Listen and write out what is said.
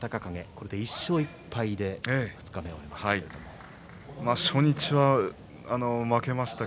これで１勝１敗で二日目を終えました。